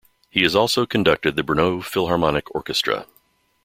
He has also conducted the Brno Philharmonic Orchestra.